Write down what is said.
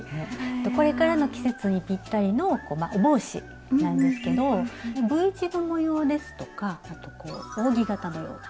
これからの季節にぴったりのお帽子なんですけどＶ字の模様ですとか扇形のような模様がね